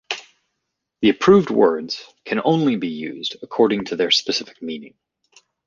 The approved words can only be used according to their specified meaning.